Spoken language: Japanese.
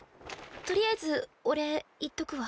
取りあえずお礼言っとくわ。